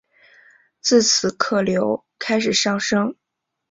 自此客流开始上升。